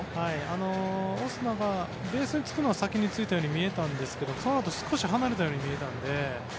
オスナがベースにつくのは先についたように見えたんですがそのあと少し離れたように見えたので。